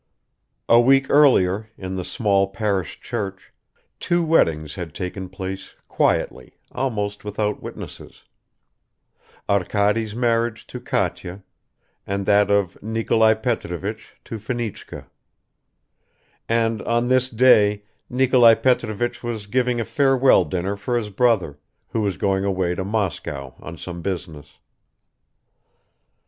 A week earlier in the small parish church, two weddings had taken place quietly, almost without witnesses Arkady's marriage to Katya and that of Nikolai Petrovich to Fenichka; and on this day Nikolai Petrovich was giving a farewell dinner for his brother, who was going away to Moscow on some business.